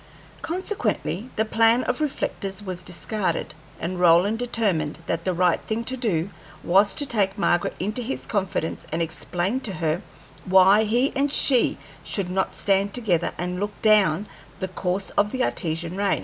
Consequently the plan of reflectors was discarded, and Roland determined that the right thing to do was to take Margaret into his confidence and explain to her why he and she should not stand together and look down the course of the Artesian ray.